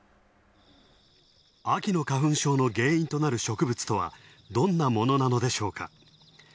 秋の花粉症の原因となる植物とはどんなものなのでしょうか。